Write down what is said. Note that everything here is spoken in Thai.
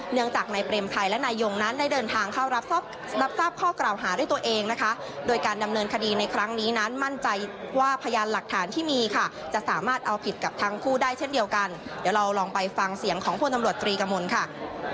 เนื่องจากนายเปรมชัยและนายยงนั้นได้เดินทางเข้ารับทราบข้อกล่าวหาด้วยตัวเองนะคะโดยการดำเนินคดีในครั้งนี้นั้นมั่นใจว่าพยานหลักฐานที่มีค่ะจะสามารถเอาผิดกับทั้งคู่ได้เช่นเดียวกันเดี๋ยวเราลองไปฟังเสียงของพลตำรวจตรีกระมวลค่ะ